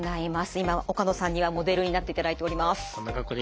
今岡野さんにはモデルになっていただいております。